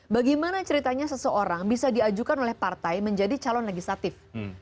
bagaimana ceritanya seseorang bisa diajukan oleh partai menjadi calon legislatif